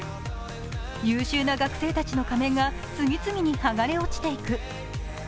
優秀な学生たちの仮面が次々に剥がれ落ちていく。